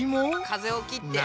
風を切って。